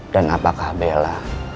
dan apakah bella